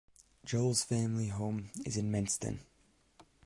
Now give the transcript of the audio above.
Jewell's family home is in Menston.